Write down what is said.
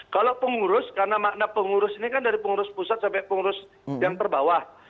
kalau pengurus karena makna pengurus ini kan dari pengurus pusat sampai pengurus yang terbawah